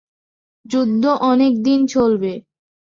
যুদ্ধ অনেকদিন চলবে।